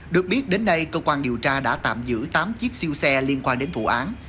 được biết đến nay cơ quan điều tra đã tạm giữ tám chiếc siêu xe liên quan đến vụ án